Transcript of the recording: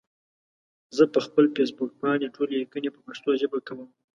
زه پخپل فيسبوک پاڼې ټولي ليکني په پښتو ژبه کوم